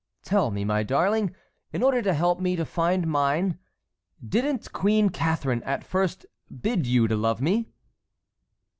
Tell me, my darling, in order to help me to find mine, didn't Queen Catharine at first bid you love me?"